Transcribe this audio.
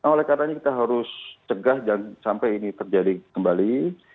oleh karena kita harus cegah jangan sampai ini terjadi kembali